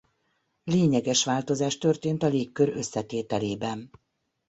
Lényeges változás történt a légkör összetételében.